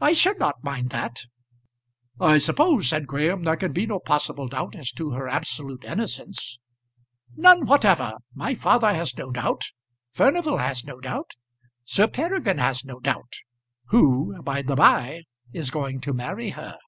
"I should not mind that." "I suppose," said Graham, "there can be no possible doubt as to her absolute innocence?" "None whatever. My father has no doubt. Furnival has no doubt. Sir Peregrine has no doubt, who, by the by, is going to marry her."